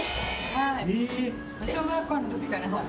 はい。